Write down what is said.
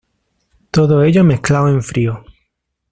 Todo ello mezclado en frío.